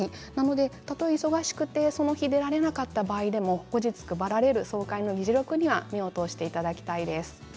たとえ忙しくてその日出られなかった場合でも後日、配られる総会議事録には目を通していただきたいです。